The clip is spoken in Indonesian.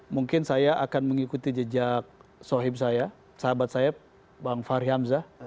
mungkin saya akan mengikuti jejak sohib saya sahabat saya bang fahri hamzah